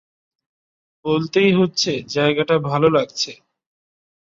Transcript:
বলতেই হচ্ছে জায়গাটা ভালো লাগছে।